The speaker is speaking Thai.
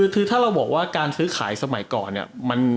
คือถ้าเราบอกว่าการซื้อขายสมัยก่อนเนี่ย